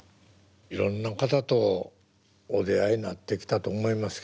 いろんな方とお出会いになってきたと思いますけども。